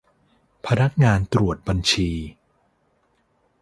พนักงานตรวจบัญชี